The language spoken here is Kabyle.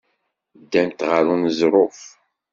Ddant ɣer uneẓruf.